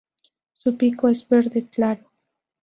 Su pico es verde claro.